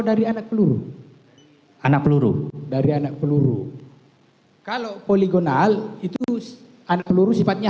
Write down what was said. dari anak peluru anak peluru barianak peluru kalau poligonal itu sedih adalah peluru sifatnya